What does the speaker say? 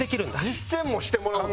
実践もしてもらおうと。